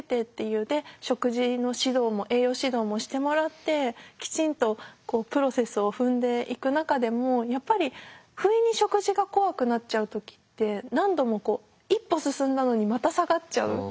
で食事の指導も栄養指導もしてもらってきちんとプロセスを踏んでいく中でもやっぱりふいに食事が怖くなっちゃう時って何度もこう一歩進んだのにまた下がっちゃう。